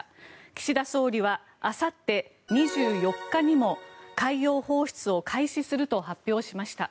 岸田総理はあさって２４日にも海洋放出を開始すると発表しました。